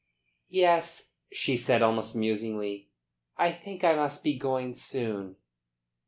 "Yes," she said almost musingly, "I think I must be going soon."